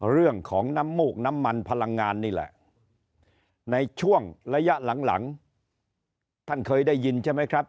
เรื่องของน้ำมูกน้ำมันพลังงานนี่แหละในช่วงระยะหลังหลังท่านเคยได้ยินใช่ไหมครับ